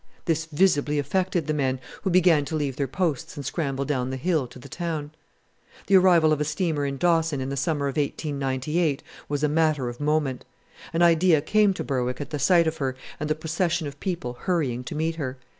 This visibly affected the men, who began to leave their posts and scramble down the hill to the town. The arrival of a steamer in Dawson in the summer of 1898 was a matter of moment. An idea came to Berwick at the sight of her and the procession of people hurrying to meet her.